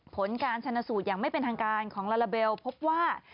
ผลการชนสูตรอย่างไม่เป็นทางการของลาลาเบลพบว่า